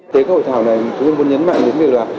tới các hội thảo này chúng tôi muốn nhấn mạnh đến điều loạt